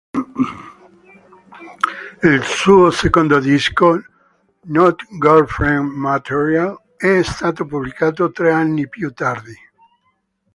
Il suo secondo disco "Not Girlfriend Material" è stato pubblicato tre anni più tardi.